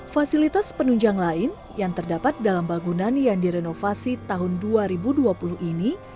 fasilitas penunjang lain yang terdapat dalam bangunan yang direnovasi tahun dua ribu dua puluh ini